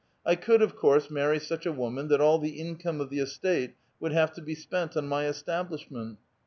I could, of course, marry such a woman that all the income of the estate would have to be spent on my establishment.